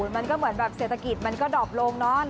มันก็เหมือนแบบเศรษฐกิจมันก็ดอบลงเนอะ